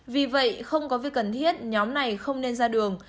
vì vậy không có việc cần thiết nhóm này không nên ra đường